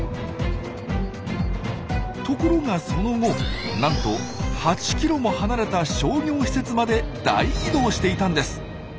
ところがその後なんと８キロも離れた商業施設まで大移動していたんです。